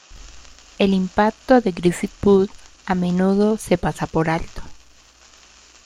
El impacto de Griffith Pugh a menudo se pasa por alto.